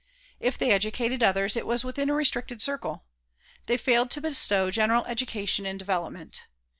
If they educated others it was within a restricted circle; they failed to bestow general education and development.